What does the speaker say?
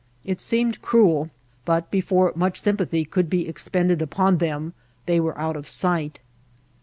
It seemed cruel ; but, before much sympa thy could be expended upon them, they were out of sight.